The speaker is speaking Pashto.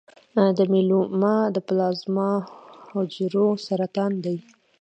د میلوما د پلازما حجرو سرطان دی.